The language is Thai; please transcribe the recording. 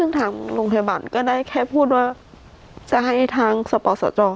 เพิ่งถามโรงพยาบาลก็ได้แค่พูดว่าจะให้ทางสปอร์ตสะจอง